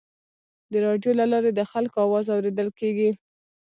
د راډیو له لارې د خلکو اواز اورېدل کېږي.